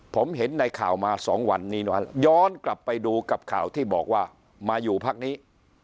ผมเห็นในข่าวมา๒วันนี้ย้อนกลับไปดูกับข่าวที่บอกว่ามาอยู่พักนี้